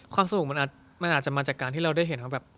ความสนุกมันอาจจะมาจากการที่เราได้เห็นว่าแบบ